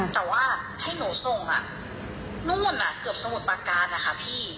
แต่ว่าให้หนูส่งนู่นเกือบสมุทรประการนะคะพี่